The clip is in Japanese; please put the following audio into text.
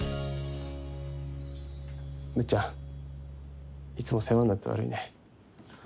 むっちゃんいつも世話になって悪いね。